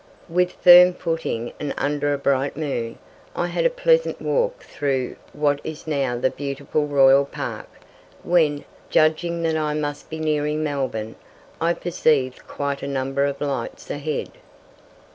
With firm footing and under a bright moon, I had a pleasant walk through what is now the beautiful Royal Park, when, judging that I must be nearing Melbourne, I perceived quite a number of lights ahead.